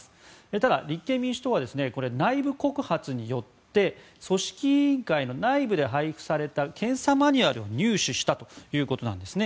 ただ、立憲民主党は内部告発によって組織委員会の内部で配布された検査マニュアルを入手したということなんですね。